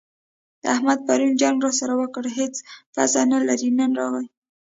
احمد پرون جنګ راسره وکړ؛ هيڅ پزه نه لري - نن راغی.